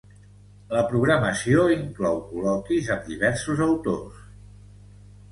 La programació inclou col·loquis amb diversos autors.